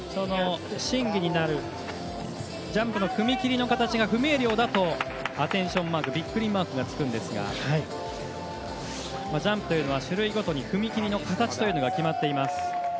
審議になるジャンプの踏み切りの形が不明瞭だと、アテンションマークびっくりマークがつくんですがジャンプは種類ごとに踏み切りの形が決まっています。